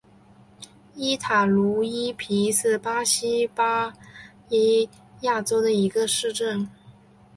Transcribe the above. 伊塔茹伊皮是巴西巴伊亚州的一个市镇。